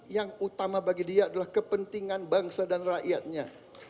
yang utama bagi dia adalah kepentingan bangsa dan rakyatnya